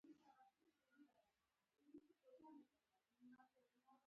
خوړل د لوږې ضد دی